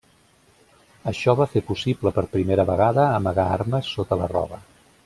Això va fer possible per primera vegada amagar armes sota la roba.